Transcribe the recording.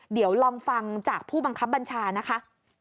เดี๋ยวลองฟังจากผู้บังคับบัญชานะคะ